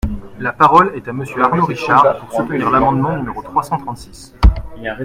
La parole est à Monsieur Arnaud Richard, pour soutenir l’amendement numéro trois cent trente-six.